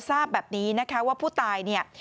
ทราบแบบนี้นะคะว่าผู้ตายเนี่ย